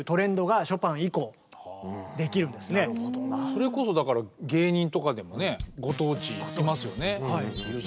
それこそだから芸人とかでもねご当地いますよね。